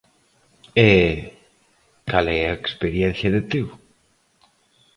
E ¿cal é a experiencia de Teo?